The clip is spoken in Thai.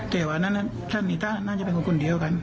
แต่ว่าท่านอีท่านน่าจะเป็นคนเดียวกัน